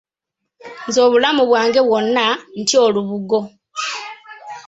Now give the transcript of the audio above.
Nze obulamu bwange bwonna ntya olubugo.